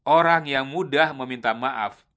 orang yang mudah meminta maaf